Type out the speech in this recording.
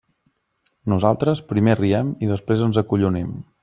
Nosaltres, primer riem i després ens acollonim.